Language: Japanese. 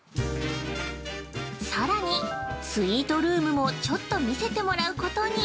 ◆さらにスイートルームもちょっと見せてもらうことに。